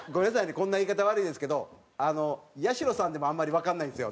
こんな言い方悪いですけどやしろさんでもあんまりわかんないんですよ。